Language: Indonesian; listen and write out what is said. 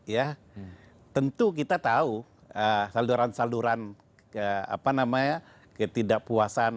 ya tentu kita tahu saluran saluran apa namanya ketidakpuasan